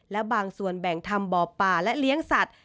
และบางส่วนแบ่งทำบ่อป่าและเลี้ยงสัตว์